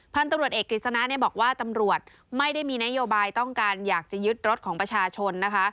พันธุ์ตำรวจเอกกฤษณะบอกว่าตำรวจไม่ได้มีนโยบายต้องการอยากจะยึดรถของประชาชนนะคะ